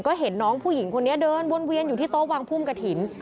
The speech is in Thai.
ก็เห็นน้องผู้หญิงคนนี้เดินวนเวียนอยู่ที่โต๊ะวางพุ่มกระถิ่น